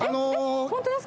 本当ですか？